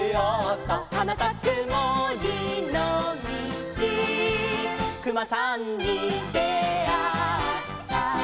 「はなさくもりのみちくまさんにであった」